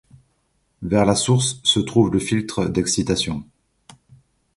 Vers la source se trouve le filtre d'excitation.